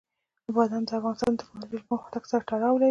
بادام د افغانستان د تکنالوژۍ له پرمختګ سره تړاو لري.